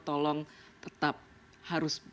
tolong tetap harus